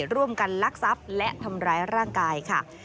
ลักทรัพย์และทำร้ายร่างกายค่ะ